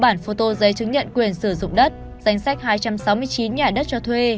một bảy trăm tám mươi bốn bản phô tô giấy chứng nhận quyền sử dụng đất danh sách hai trăm sáu mươi chín nhà đất cho thuê